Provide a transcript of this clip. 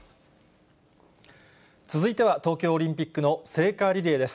続いては東京オリンピックの聖火リレーです。